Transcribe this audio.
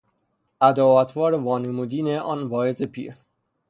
ادا و اطوار وانمودین آن واعظ پیر